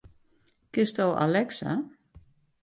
Kinsto Alexa?